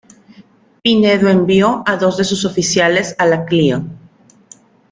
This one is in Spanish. Pinedo envió a dos de sus oficiales a la "Clio".